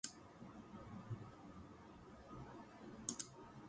She was always cheerful and kind, but she had a difficult life.